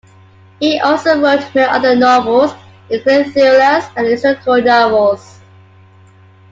He also wrote many other novels, including thrillers and historical novels.